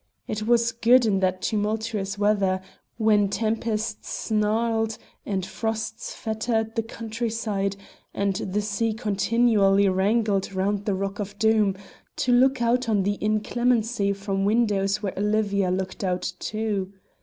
It was good in that tumultuous weather, when tempests snarled and frosts fettered the countryside, and the sea continually wrangled round the rock of Doom, to look out on the inclemency from windows where Olivia looked out too.